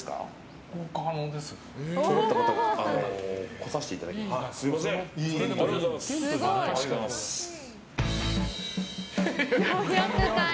来させていただきます。